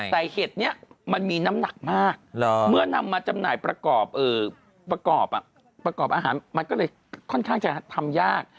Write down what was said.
แต่เห็ดนี้มันมีน้ำหนักมากเมื่อนำมาจำหน่ายประกอบอาหารมันก็เลยค่อนข้างจะทำยาก